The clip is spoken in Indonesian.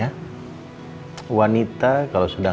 maklumin aja ya wanita kalau sebenarnya